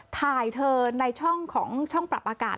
ถ่ายเธอในช่องปรับอากาศ